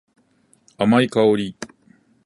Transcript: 甘い香り。